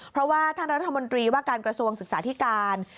เพราะว่าท่านรัฐมนตรีว่าการกระทรวงศึกษาธิการ